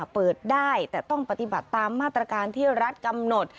เปิดได้แต่ต้องปฏิบัติตามมาตรการที่รัฐกำหนด